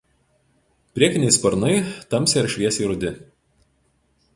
Priekiniai sparnai tamsiai ar šviesiai rudi.